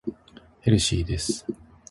ヘルシーです。